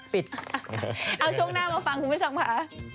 ปิดอ้าวช่วงหน้ามาฟังคุณพี่ช่างพา